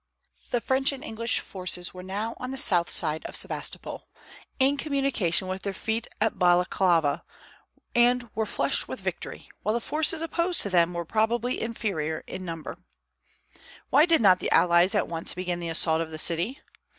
The French and English forces were now on the south side of Sebastopol, in communication with their fleet at Balaklava, and were flushed with victory, while the forces opposed to them were probably inferior in number. Why did not the allies at once begin the assault of the city?